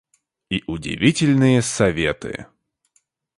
И удивительные советы.